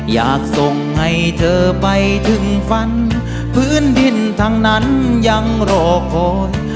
อยากส่งให้เธอไปถึงฝันพื้นดินทั้งนั้นยังรอคอย